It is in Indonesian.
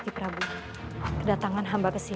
i didn't break any promise